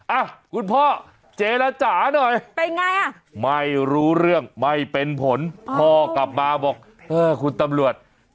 อ่ะคุณพ่อเจรจาหน่อยเป็นไงอ่ะไม่รู้เรื่องไม่เป็นผลพ่อกลับมาบอกเออคุณตำรวจ